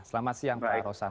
selamat siang pak roslan